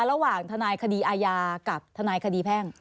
ระหว่างทนายคดีอาญากับทนายคดีแพ่ง